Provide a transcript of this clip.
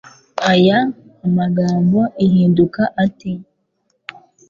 aya amgambo ihinduka ate